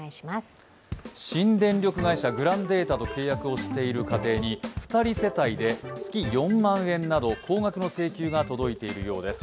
新電力会社グランデータと契約をしている家庭に２人世帯で月４万円など高額の請求が届いているようです。